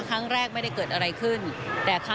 ครั้งแรกไม่ได้เกิดอะไรขึ้น